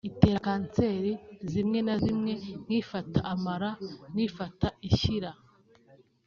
itera kanseri zimwe na zimwe nk’ifata amara n’ifata ishyira